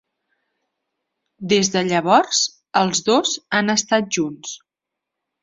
Des de llavors, els dos han estat junts.